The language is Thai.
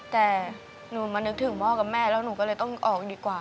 แต่หนูมานึกถึงพ่อกับแม่แล้วหนูก็เลยต้องออกดีกว่า